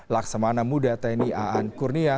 laksamana muda tni a n kurnia